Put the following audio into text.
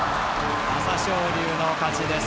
朝青龍の勝ちです。